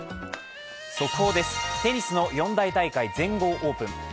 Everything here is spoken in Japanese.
速報です、テニスの四大大会、全豪オープン。